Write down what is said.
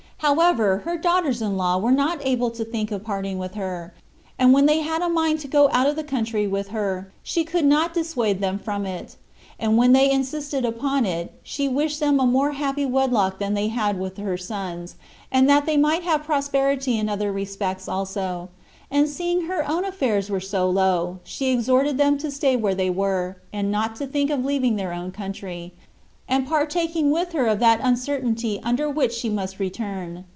However, her daughters in law were not able to think of parting with her; and when they had a mind to go out of the country with her, she could not dissuade them from it; but when they insisted upon it, she wished them a more happy wedlock than they had with her sons, and that they might have prosperity in other respects also; and seeing her own affairs were so low, she exhorted them to stay where they were, and not to think of leaving their own country, and partaking with her of that uncertainty under which she must return.